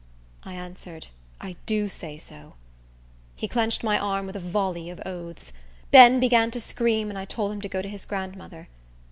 I answered, "I do say so." He clinched my arm with a volley of oaths. Ben began to scream, and I told him to go to his grandmother.